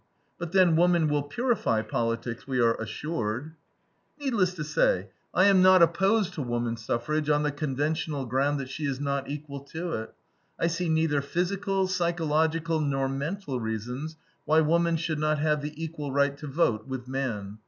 But, then, woman will purify politics, we are assured. Needless to say, I am not opposed to woman suffrage on the conventional ground that she is not equal to it. I see neither physical, psychological, nor mental reasons why woman should not have the equal right to vote with man.